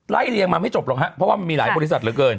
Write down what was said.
เรียงมาไม่จบหรอกครับเพราะว่ามันมีหลายบริษัทเหลือเกิน